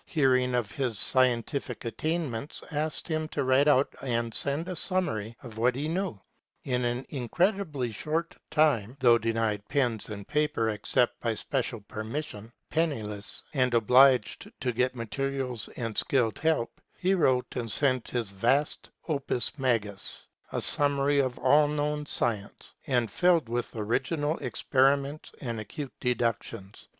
hearing of his scientific attainments, asked him to write out and send a summary of what he knew ; in an incredibly short time, though denied pens and paper except by special permission, penniless, and obliged to get materials and skilled help, he wrote and sent his vast " Opus Majus," a summary of all known science and filled with original experiments and acute deductions.